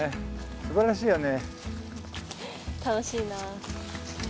すばらしいよね。